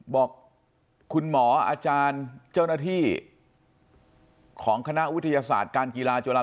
บอกคุณหมออาจารย์เจ้าหน้าที่ของคณะวิทยาศาสตร์การกีฬาจุฬา